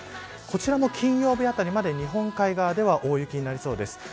こちらも金曜日あたりまで日本海側では大雪になりそうです。